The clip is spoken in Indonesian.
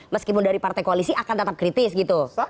meskipun dari partai koalisi akan tetap kritis gitu